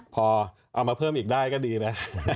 พอเอามาเพิ่มอีกได้ก็ดีนะ